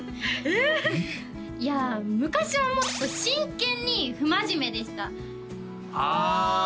えっいや昔はもっと真剣に不真面目でしたああああ